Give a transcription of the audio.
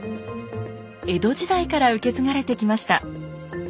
江戸時代から受け継がれてきました。